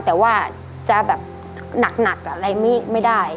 แต่ว่าจะแบบหนักอะไรไม่ได้